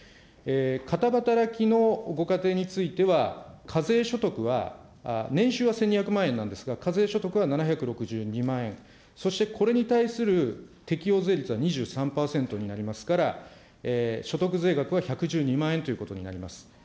片働きのご家庭については、課税所得は、年収は１２００万円なんですが、課税所得は７６２万円、そしてこれに対する適用税率は２３％になりますから、所得税額は１１２万円ということになります。